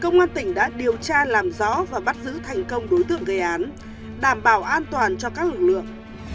nguyễn trang làm rõ và bắt giữ thành công đối tượng gây án đảm bảo an toàn cho các lực lượng